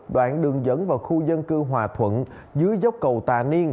đoạn đường dẫn vào khu dân cư hòa thuận dưới dốc cầu tà niên